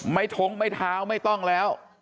ท้องไม่เท้าไม่ต้องแล้ว